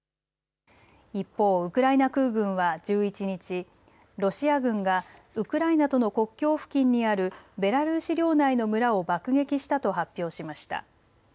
一方、ウクライナ空軍は１１日、ロシア軍がウクライナとの国境付近にあるベラルーシ領内の村を爆撃したと発表しました。